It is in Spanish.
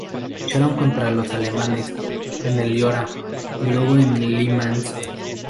Lucharon contra los alemanes en el Loira, y luego en Le Mans.